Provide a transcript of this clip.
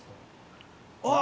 あっ！